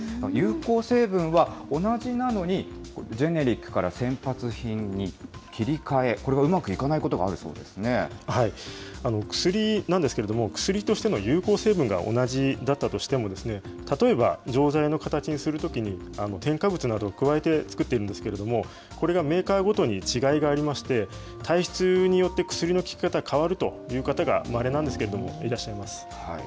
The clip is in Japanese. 有効成分は同じなのに、ジェネリックから先発品に切り替え、これがうまくいかないことが薬なんですけれども、薬としての有効成分が同じだったとしても、例えば錠剤の形にするときに、添加物などを加えて作っているんですけれども、これがメーカーごとに違いがありまして、体質によって薬の効き方変わるという方が、まれなんですけれども、いらっしゃいます。